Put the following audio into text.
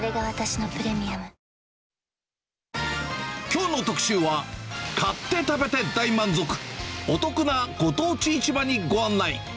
きょうの特集は、買って食べて大満足、お得なご当地市場にご案内。